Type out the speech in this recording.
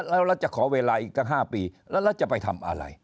แล้วเราจะขอเวลาอีกตั้ง๕ปีแล้วเราจะไปทำอะไร